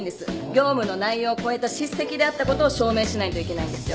業務の内容を超えた叱責であったことを証明しないといけないんですよ。